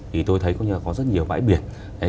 thì tôi thấy có rất nhiều bãi biển